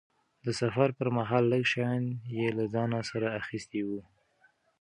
د سفر پرمهال لږ شیان یې له ځانه سره اخیستي وو.